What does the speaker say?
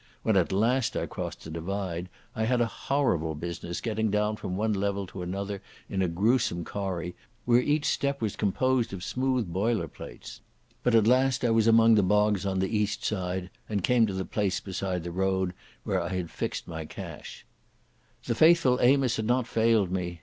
When at last I crossed the divide, I had a horrible business getting down from one level to another in a gruesome corrie, where each step was composed of smooth boiler plates. But at last I was among the bogs on the east side, and came to the place beside the road where I had fixed my cache. The faithful Amos had not failed me.